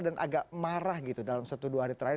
dan agak marah gitu dalam satu dua hari terakhir